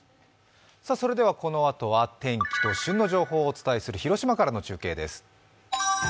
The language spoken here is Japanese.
それではこのあとは天気と旬の情報をお伝えする広島からの中継です。